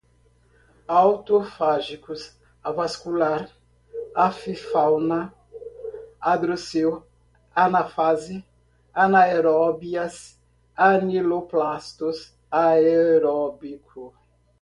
antígeno, autólise, autofágicos, avascular, avifauna, androceu, anáfase, anaeróbias, amiloplastos, aeróbico